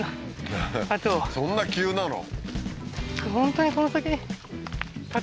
そんな急なの？